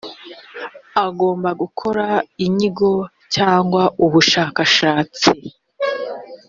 agomba gukora inyigo cyangwa ubushakashatsi